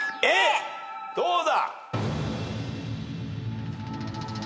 どうだ？